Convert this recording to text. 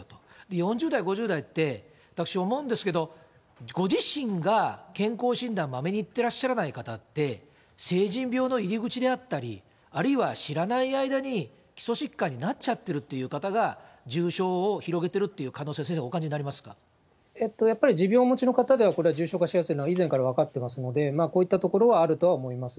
４０代５０代って、私思うんですけど、ご自身が健康診断まめに行ってらっしゃらない方って、成人病の入り口であったり、あるいは知らない間に基礎疾患になっちゃってるっていう方が、重症を広げてるという可能性、やっぱり持病をお持ちの方では、これは重症化しやすいのは以前から分かってますので、こういったところはあるとは思います。